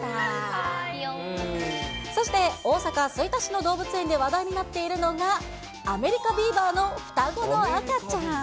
そして大阪・吹田市の動物園で話題になっているのが、アメリカビーバーの双子の赤ちゃん。